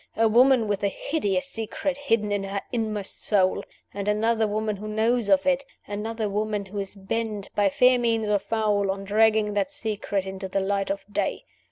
A woman with a hideous secret hidden in her inmost soul: and another woman who knows of it another woman who is bent, by fair means or foul, on dragging that secret into the light of day.